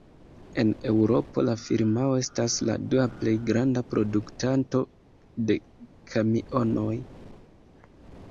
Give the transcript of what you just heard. En Eŭropo la firmao estas la dua plej granda produktanto de kamionoj.